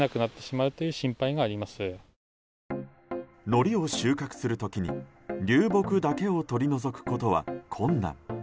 ノリを収穫するときに流木だけを取り除くことは困難。